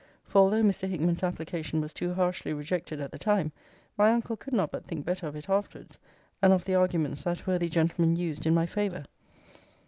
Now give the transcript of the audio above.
For although Mr. Hickman's application was too harshly rejected at the time, my uncle could not but think better of it afterwards, and of the arguments that worthy gentleman used in my favour.